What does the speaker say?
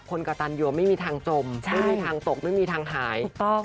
กระตันอยู่ไม่มีทางจมไม่มีทางตกไม่มีทางหายถูกต้อง